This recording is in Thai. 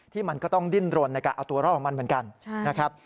ที่มันก็ต้องดิ้นรนในการเอาตัวรอดของมันเหมือนกันนะครับ